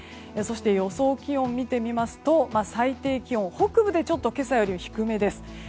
そして予想気温を見てみると最低気温、北部でちょっと今朝より低めです。